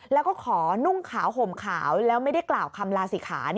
แล้วก็ขอนุ่งขาวห่มขาวแล้วไม่ได้กล่าวคำลาศิขา